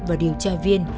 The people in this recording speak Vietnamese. và điều tra viên